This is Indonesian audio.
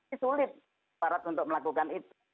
ini sulit aparat untuk melakukan itu